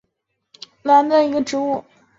蓝刺鹤虱为紫草科鹤虱属的植物。